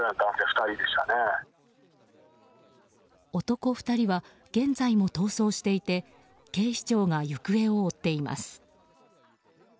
男２人は現在も逃走していて警視庁が行方を追っています。